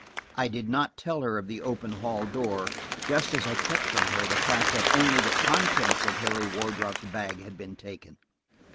I did not tell her of the open hall door, just as I had kept from her the fact that only the contents of Harry Wardrop's bag had been taken.